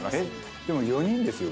でも４人ですよ